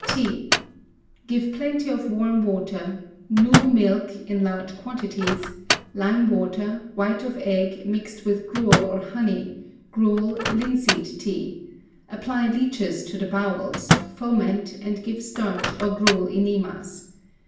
T. Give plenty of warm water, new milk in large quantities, lime water, white of egg, mixed with gruel or honey, gruel, linseed tea; apply leeches to the bowels, foment, and give starch or gruel enemas.